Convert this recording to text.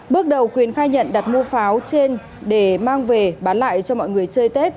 bước đầu quyền khai nhận đặt mua pháo trên để mang về bán lại cho mọi người chơi tết